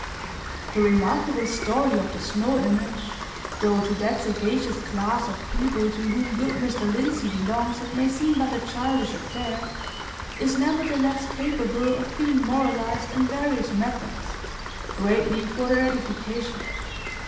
The remarkable story of the snow image, though to that sagacious class of people to whom good Mr. Lindsey belongs it may seem but a childish affair, is, nevertheless, capable of being moralized in various methods, greatly for their edification.